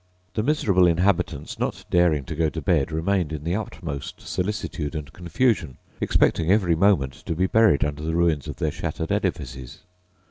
The miserable inhabitants, not daring to go to bed, remained in the utmost solicitude and confusion, expecting every moment to be buried under the ruins of their shattered edifices.